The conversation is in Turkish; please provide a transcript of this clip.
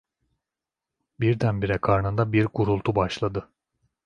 Birdenbire karnında bir gurultu başladı.